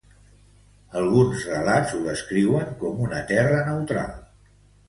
Alguns relats ho descriuen com una terra neutral.